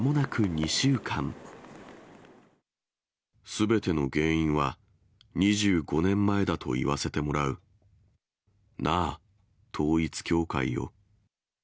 すべての原因は、２５年前だと言わせてもらう。なぁ、統一教会よ。